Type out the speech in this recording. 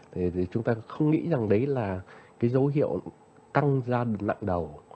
thì chúng ta không nghĩ rằng đấy là cái dấu hiệu căng da nặng đầu